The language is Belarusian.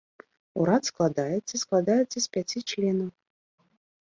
Урад складаецца складаецца з пяці членаў.